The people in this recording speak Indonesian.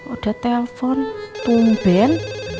ada telepon tung ben